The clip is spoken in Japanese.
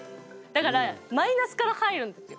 だからマイナスから入るんですよ。